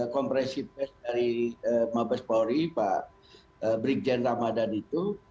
kompresi pes dari mabes polri pak brigjen ramadhan itu